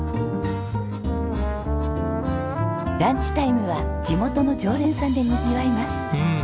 ランチタイムは地元の常連さんでにぎわいます。